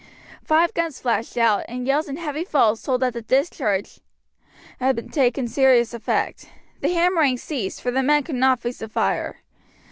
Five guns flashed out, and yells and heavy falls told that the discharge had taken serious effect. The hammering ceased, for the men could not face the fire.